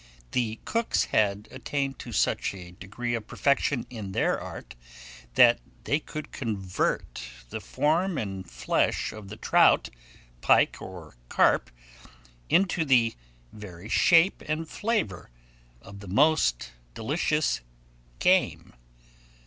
the cooks had attained to such a degree of perfection in their art, that they could convert the form and flesh of the trout, pike, or carp, into the very shape and flavour of the most delicious game.